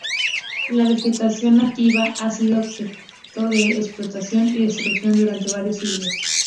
La vegetación nativa ha sido objeto de explotación y destrucción durante varios siglos.